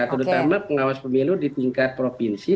terutama pengawas pemilu di tingkat provinsi